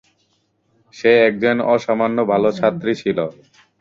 সে একজন অসামান্য ভাল ছাত্রী ছিল।